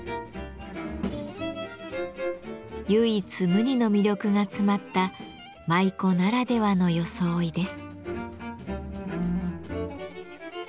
唯一無二の魅力が詰まった舞妓ならではの装いです。